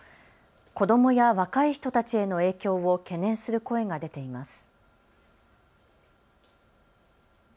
子どもや若い人たちへの影響を懸念する声が出ています。